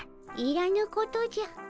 いらぬことじゃ。